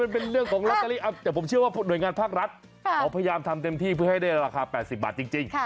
เพราะว่าโดยงานภาครัฐเราพยายามทำเต็มที่เพื่อให้ได้ราคา๘๐บาทจริง